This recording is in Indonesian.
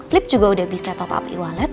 flip juga udah bisa top up e wallet